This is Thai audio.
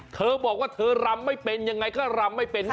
เธอบอกว่าเธอรำไม่เป็นยังไงก็รำไม่เป็น